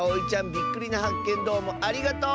びっくりなはっけんどうもありがとう！